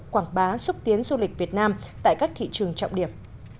quảng bá xúc tiến du lịch việt nam tại các thị trường trọng điểm